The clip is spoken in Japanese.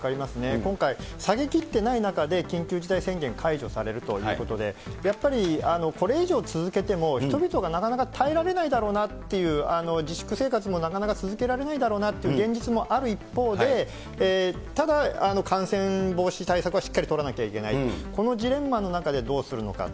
今回、下げ切っていない中で緊急事態宣言解除されるということで、やっぱりこれ以上続けても、人々がなかなか耐えられないだろうなっていう、自粛生活もなかなか続けられないだろうなっていう現実もある一方で、ただ、感染防止対策はしっかり取らなきゃいけない、このジレンマの中でどうするのか。